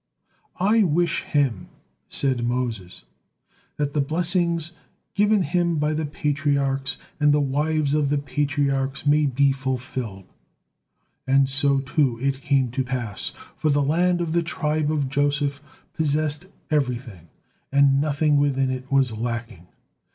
"I wish him," said Moses, "that the blessings given him by the Patriarchs and the wives of the Patriarchs may be fulfilled." And so, too, it came to pass, for the land of the tribe of Joseph possessed everything, and nothing within it was lacking.